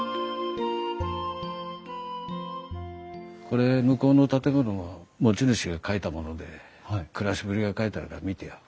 これ向こうの建物の持ち主が書いたもので暮らしぶりが書いてあるから見てよ。